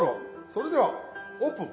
それではオープン！